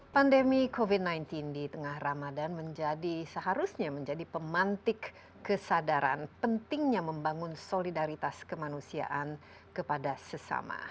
pandemi covid sembilan belas di tengah ramadan seharusnya menjadi pemantik kesadaran pentingnya membangun solidaritas kemanusiaan kepada sesama